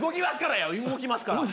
動きますから。